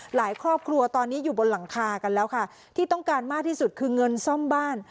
ครอบครัวตอนนี้อยู่บนหลังคากันแล้วค่ะที่ต้องการมากที่สุดคือเงินซ่อมบ้าน